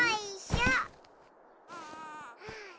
うん。